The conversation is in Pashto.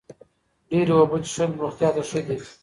ډېرې اوبه څښل روغتیا ته ښه دي.